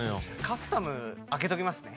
カスタム開けておきますね。